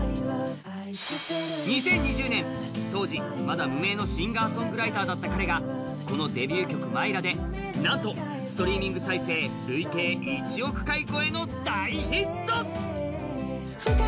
２０２０年、当時、まだ無名のシンガーソングライターだった彼がこのデビュー曲「Ｍｙｒａ」でなんとストリーミング再生累計１億回超えの大ヒット！